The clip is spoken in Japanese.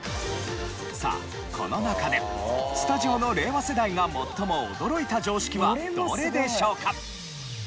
さあこの中でスタジオの令和世代が最も驚いた常識はどれでしょうか？